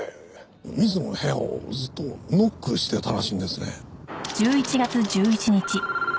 水野の部屋をずっとノックしてたらしいんですね。